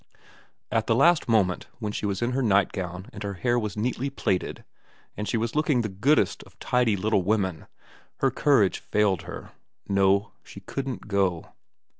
At the last moment, when she was in her nightgown and her hair was neatly plaited and she was looking the goodest of tidy little women, her courage failed her. No, she couldn't go.